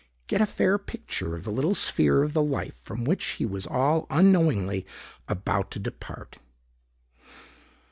Get a fair picture of the little sphere of the life from which he was all unknowingly about to depart.